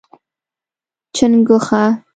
🐸 چنګوښه